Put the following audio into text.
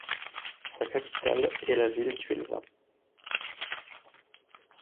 Sa capitale est la ville de Huelva.